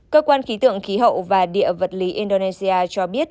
cơ quan khí tượng khí hậu và địa vật lý indonesia cho biết